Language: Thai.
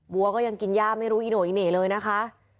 วัวก็ยังกินย่าไม่รู้อีโน่อีเหน่เลยนะคะ